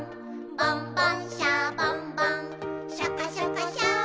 「ボンボン・シャボン・ボンシャカシャカ・シャボン・ボン」